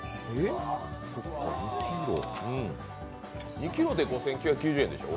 ２ｋｇで５９９０円でしょ？